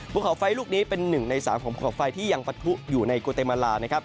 ภูเขาไฟลูกนี้เป็น๑ใน๓ของขอบไฟที่ยังปะทุอยู่ในโกเตมาลานะครับ